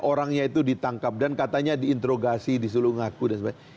orangnya itu ditangkap dan katanya diinterogasi disuruh ngaku dan sebagainya